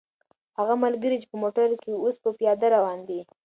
هغه ملګری چې په موټر کې و، اوس په پیاده روان دی.